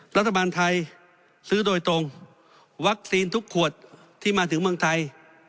รัฐบาลไทยซื้อโดยตรงวัคซีนทุกขวดที่มาถึงเมืองไทย